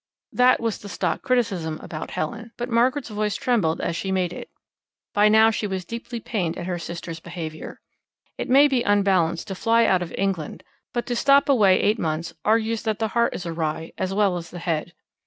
That was the stock criticism about Helen, but Margaret's voice trembled as she made it. By now she was deeply pained at her sister's behaviour. It may be unbalanced to fly out of England, but to stop away eight months argues that the heart is awry as well as the head.